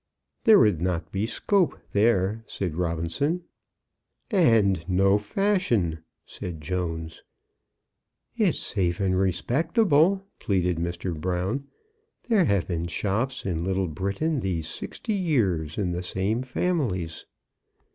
"There would not be scope there," said Robinson. "And no fashion," said Jones. "It's safe and respectable," pleaded Mr. Brown. "There have been shops in Little Britain these sixty years in the same families."